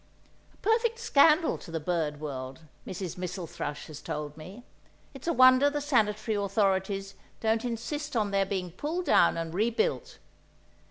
A perfect scandal to the bird world, Mrs. Missel Thrush has told me; it's a wonder the sanitary authorities don't insist on their being pulled down and rebuilt!